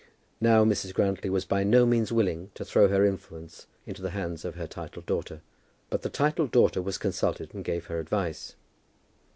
Now Mrs. Grantly was by no means willing to throw her influence into the hands of her titled daughter. But the titled daughter was consulted and gave her advice.